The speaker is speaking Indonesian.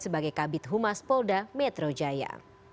sebagai kabit humas polda metro jaya